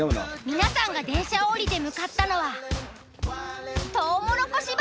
皆さんが電車を降りて向かったのはトウモロコシ畑。